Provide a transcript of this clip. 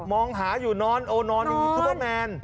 มองหาอยู่นอนโอ้นอนอยู่ที่ซุปเปอร์แมน